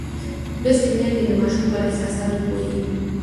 لوستې میندې د ماشوم پر احساساتو پوهېږي.